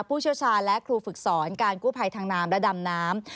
ผู้เชี่ยวชาญและครูฝึกสอนการกู้ภัยทางน้ำและดำน้ำ